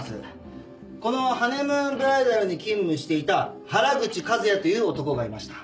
このハネムーンブライダルに勤務していた原口和也という男がいました。